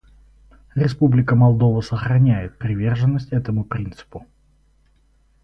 Республика Молдова сохраняет приверженность этому принципу.